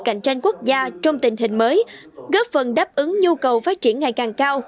cạnh tranh quốc gia trong tình hình mới góp phần đáp ứng nhu cầu phát triển ngày càng cao